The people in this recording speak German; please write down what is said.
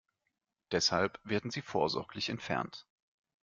Deshalb werden sie vorsorglich entfernt.